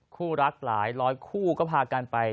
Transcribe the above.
คู่รักหลายร้อยคู่ก็พากันไป